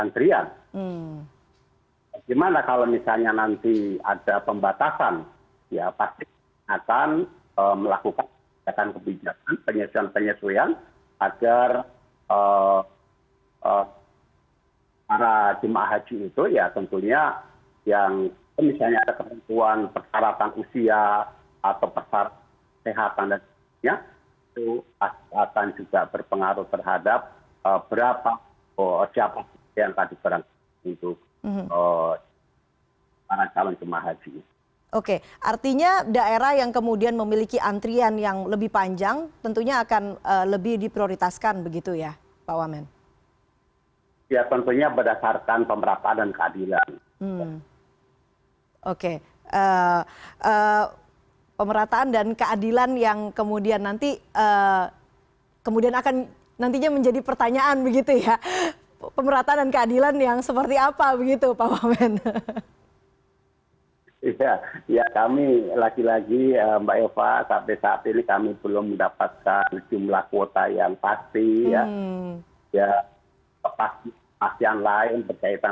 terima kasih herlusial di masak etik danyimstand biaya